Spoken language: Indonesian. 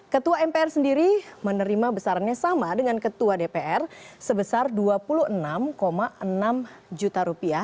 ketua mpr sendiri menerima besarannya sama dengan ketua dpr sebesar rp dua puluh enam enam juta